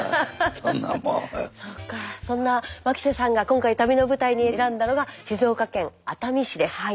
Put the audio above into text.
そんな牧瀬さんが今回旅の舞台に選んだのが静岡県熱海市です。